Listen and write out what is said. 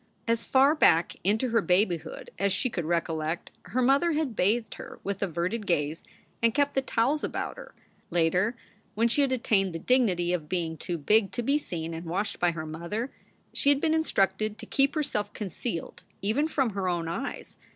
As far back into her babyhood as she could recollect, her mother had bathed her with averted gaze and kept the towels about her. Later, when she had attained the dignity of being too big to be seen and washed by her own mother, she had been instructed to keep herself concealed even from her own eyes.